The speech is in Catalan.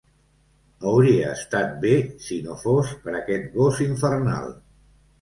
Hauria estat bé si no fos per aquest gos infernal.